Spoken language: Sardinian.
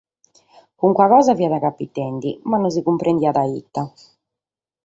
Carchi cosa fiat capitende, ma non si cumprendiat ite.